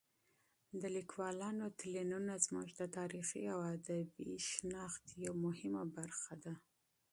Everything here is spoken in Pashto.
د لیکوالو تلینونه زموږ د تاریخي او ادبي هویت یوه مهمه برخه ده.